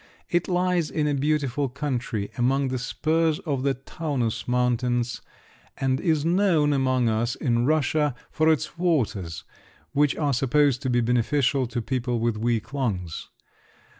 It lies in a beautiful country among the spurs of the Taunus Mountains, and is known among us in Russia for its waters, which are supposed to be beneficial to people with weak lungs.